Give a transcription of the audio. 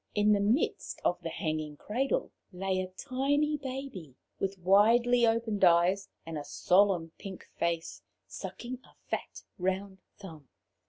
In the midst of the hanging cradle lay a tiny baby, with widely opened eyes and a solemn pink face, sucking a fat round thumb.